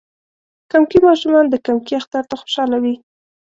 کمکي ماشومان د کمکی اختر ته خوشحاله وی.